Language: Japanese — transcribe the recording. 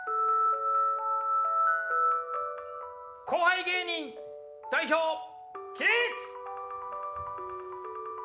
後輩芸人代表起立！